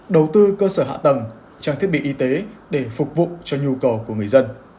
đầu tư cơ sở hạ tầng